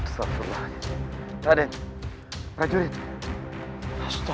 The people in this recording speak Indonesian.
sebaiknya aku lihat ke sana